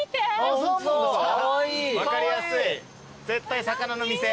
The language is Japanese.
絶対魚の店。